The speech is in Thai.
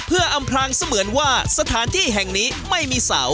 เพื่ออำพรางเสมือนว่าสถานที่แห่งนี้ไม่มีเสา